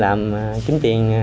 làm kiếm tiền